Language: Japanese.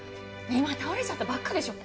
今倒れちゃったばっかでしょ。